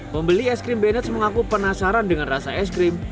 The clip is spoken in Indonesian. pembeli es krim benets mengaku penasaran dengan rasa es krim